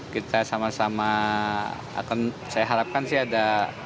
kita sama sama akan saya harapkan sih ada